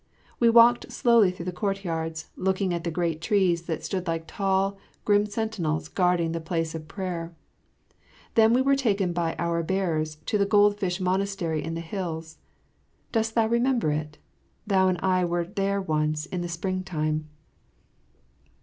We walked slowly through the courtyards, looking at the great trees that stood like tall, grim sentinels guarding the place of prayer. Then we were taken by our bearers to the Goldfish Monastery in the hills. Dost thou remember it? Thou and I were there once in the springtime.